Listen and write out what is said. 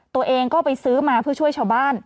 ตัวเองก็ไปซื้อมาเพื่อช่วยชาวบ้าน